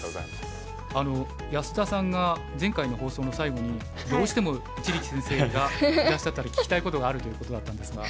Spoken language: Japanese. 安田さんが前回の放送の最後にどうしても一力先生がいらっしゃったら聞きたいことがあるということだったんですが。